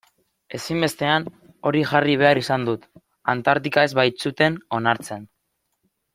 Ezinbestean hori jarri behar izan dut, Antartika ez baitzuten onartzen.